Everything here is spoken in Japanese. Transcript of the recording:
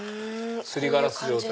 すりガラス状態。